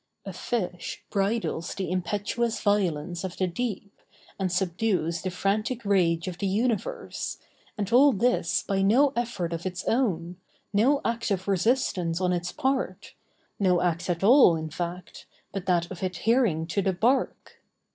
A fish bridles the impetuous violence of the deep, and subdues the frantic rage of the universe—and all this by no effort of its own, no act of resistance on its part, no act at all, in fact, but that of adhering to the bark!